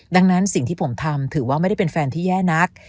ดังนั้นสิ่งที่ผมทำถือว่าไม่ได้เป็นแฟนที่แย่นัก